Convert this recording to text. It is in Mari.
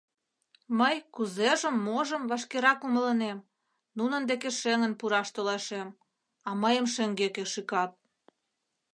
Мый кузежым-можым вашкерак умылынем, нунын деке шеҥын пураш толашем, а мыйым шеҥгеке шӱкат.